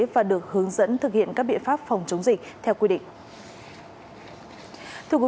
và được hướng dẫn thực hiện các biện pháp phòng chống dịch theo quy định